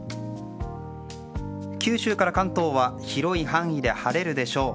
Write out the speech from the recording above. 九州から関東は広い範囲で晴れるでしょう。